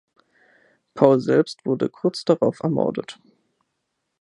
Paul selbst wurde kurz darauf ermordet.